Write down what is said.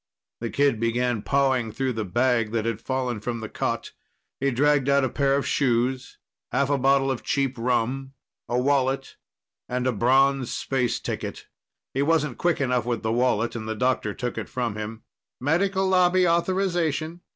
The kid began pawing through the bag that had fallen from the cot. He dragged out a pair of shoes, half a bottle of cheap rum, a wallet and a bronze space ticket. He wasn't quick enough with the wallet, and the doctor took it from him. "Medical Lobby authorization.